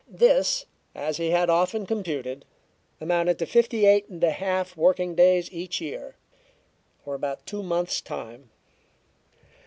This, as he had often computed, amounted to fifty eight and a half working days each year, or about two months' time.